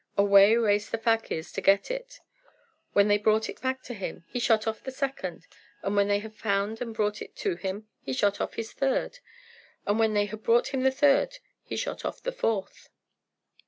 Away raced the fakirs to get it. When they brought it back to him he shot off the second, and when they had found and brought it to him he shot off his third, and when they had brought him the third he shot off the fourth.